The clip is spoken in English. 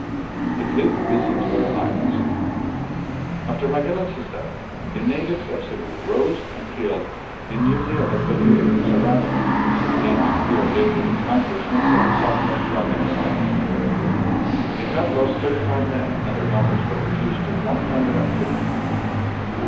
The Fleet Visits Other Islands. After Magellan's death, the natives of Cebu rose and killed the newly Magellan Monument, Manila. elected leader, Serrano, and the fleet in fear lifted its an chors and sailed southward from the Bisayas. They had lost thirty five men and their numbers were reduced to one hundred and fifteen.